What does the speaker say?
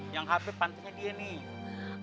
yang habib pantasnya dia nih